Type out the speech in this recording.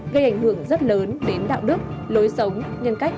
gây ảnh hưởng rất lớn đến đạo đức lối sống nhân cách